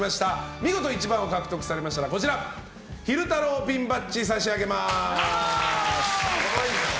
見事１番を獲得されましたらこちら、昼太郎ピンバッジを差し上げます。